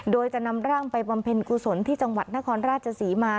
โดยจะนำร่างไปบำเพ็ญกุศลที่จังหวัดนครราชศรีมา